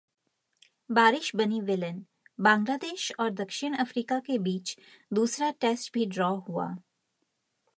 बारिश बनी विलेन, बांग्लादेश और दक्षिण अफ्रीका के बीच दूसरा टेस्ट भी ड्रॉ हुआ